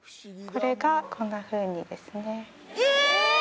これがこんなふうにですねええ？